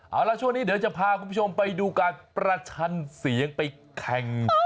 เอาละช่วงนี้เดี๋ยวจะพาคุณผู้ชมไปดูการประชันเสียงไปแข่ง